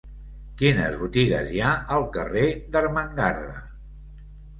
Quines botigues hi ha al carrer d'Ermengarda?